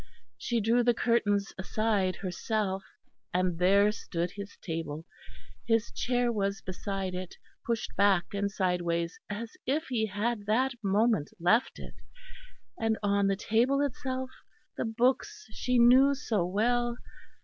She drew the curtains aside herself, and there stood his table; his chair was beside it, pushed back and sideways as if he had that moment left it; and on the table itself the books she knew so well.